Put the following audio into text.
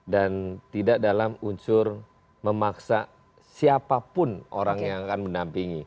dan tidak dalam unsur memaksa siapapun orang yang akan menampingi